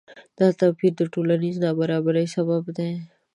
دا توپیر د ټولنیز نابرابری سبب دی.